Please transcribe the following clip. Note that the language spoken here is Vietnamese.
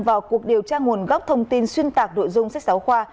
vào cuộc điều tra nguồn gốc thông tin xuyên tạc nội dung sách giáo khoa